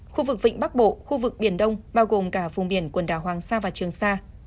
khu vực vịnh bắc bộ khu vực biển đông bao gồm cả vùng biển quần đảo hoàng sa và trường sa